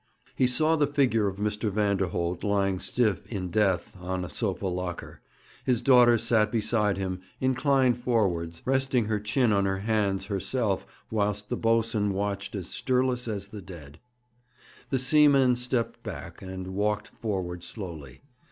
He saw the figure of Mr. Vanderholt lying stiff in death on a sofa locker; his daughter sat beside him, inclined forwards, resting her chin on her hands, herself, whilst the boatswain watched, as stirless as the dead. The seaman stepped back, and walked forward slowly.